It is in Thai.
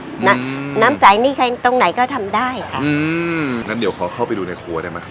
น้ำน้ำใสนี่ใครตรงไหนก็ทำได้ค่ะอืมงั้นเดี๋ยวขอเข้าไปดูในครัวได้ไหม